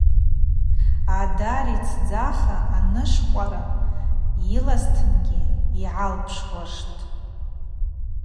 Адари цдзаха анышвкъвара йылазтынгьи йгӏалпшуаштӏ.